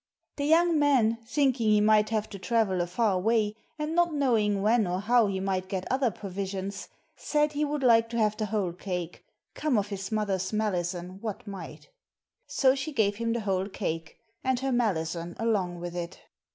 The young man, thinking he might have to travel a far way, and not knowing when or how he might get other provisions, said he would like to have the whole cake, come of his mother's malison what might ; so she gave him the whole cake, and 316 THE RED ETTIN 317 her malison along with it.